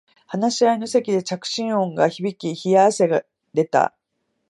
話し合いの席で着信音が響き冷や汗が出た